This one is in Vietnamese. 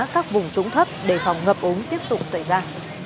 các vùng trũng thấp đề phòng ngập ống tiếp tục xảy ra